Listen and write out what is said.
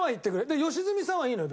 で良純さんはいいのよ